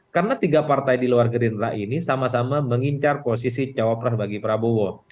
karena tiga partai di luar gerindra ini sama sama mengincar posisi capres bagi prabowo